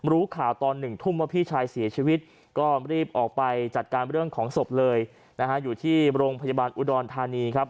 รู้ข่าวตอน๑ทุ่มว่าพี่ชายเสียชีวิตก็รีบออกไปจัดการเรื่องของศพเลยนะฮะอยู่ที่โรงพยาบาลอุดรธานีครับ